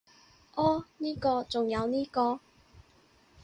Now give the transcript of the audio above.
噢呢個，仲有呢個